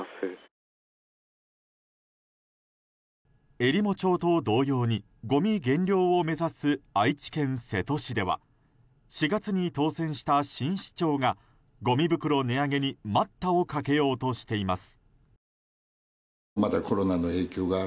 えりも町と同様にごみ減量を目指す愛知県瀬戸市では４月に当選した新市長がごみ袋値上げに待ったをかけようとしています。